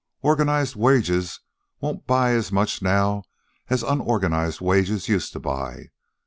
Organized wages won't buy as much now as unorganized wages used to buy.